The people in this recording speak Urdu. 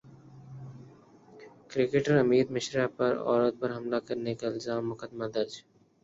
کرکٹر امیت مشرا پر عورت پر حملہ کرنے کا الزام مقدمہ درج